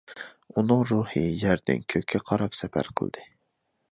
ئۇنىڭ روھى يەردىن كۆككە قاراپ سەپەر قىلدى.